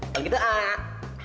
kalau gitu ah